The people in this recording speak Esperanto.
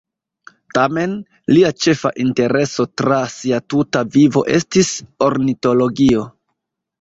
Tamen, lia ĉefa intereso tra sia tuta vivo estis ornitologio.